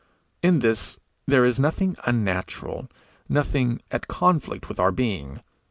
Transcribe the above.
In this there is nothing unnatural, nothing at conflict with our being.